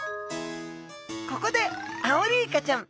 ここでアオリイカちゃん